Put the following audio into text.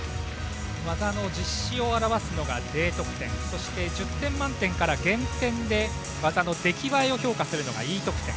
技の実施を表すのがＤ得点そして、１０点満点から減点で技の出来栄えを評価するのがＥ得点。